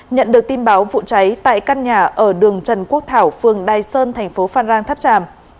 nhận được tin báo vụ cháy tại căn nhà ở đường trần quốc thảo phường đài sơn thành phố phan rang tháp tràm